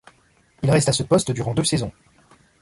Il reste à ce poste durant deux saisons.